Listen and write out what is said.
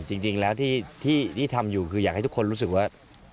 จริงแล้วที่ทำอยู่คืออยากให้ทุกคนรู้สึกว่า